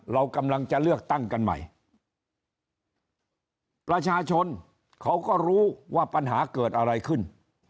เรากำลังจะเลือกตั้งกันใหม่ประชาชนเขาก็รู้ว่าปัญหาเกิดอะไรขึ้น